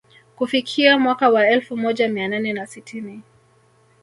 Kufikia mwaka wa elfu moja mia nane na sitini